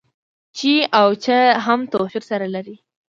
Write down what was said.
چې او چي هم توپير سره لري.